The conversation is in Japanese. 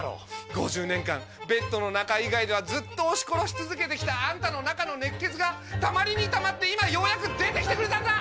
５０年間ベッドの中以外ではずっと押し殺し続けて来たあんたの中の熱血がたまりにたまって今ようやく出て来てくれたんだ！